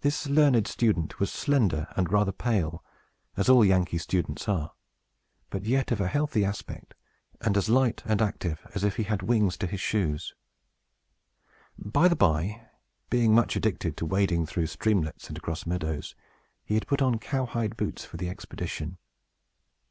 This learned student was slender, and rather pale, as all Yankee students are; but yet of a healthy aspect, and as light and active as if he had wings to his shoes. By the by, being much addicted to wading through streamlets and across meadows, he had put on cowhide boots for the expedition.